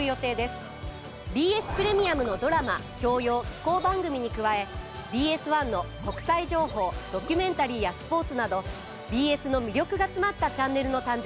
ＢＳプレミアムのドラマ教養紀行番組に加えＢＳ１の国際情報ドキュメンタリーやスポーツなどＢＳの魅力が詰まったチャンネルの誕生です。